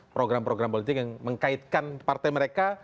program program politik yang mengkaitkan partai mereka